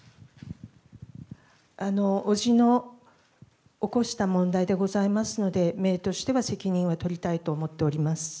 叔父の起こした問題でございますので、めいとしては責任は取りたいと思っております。